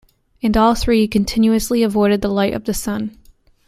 And all three continuously avoided the light of the sun.